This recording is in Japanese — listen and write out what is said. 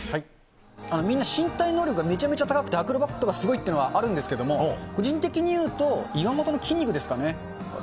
みんな身体能力がめちゃめちゃ高くて、アクロバットがすごいっていうのはあるんですけども、個人的にいうと、岩本の筋肉ですかね。